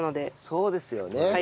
そうですよね。